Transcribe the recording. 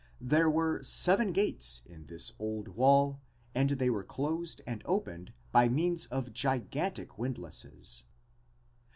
There were seven gates in this old wall and they were closed and opened by means of gigantic windlasses.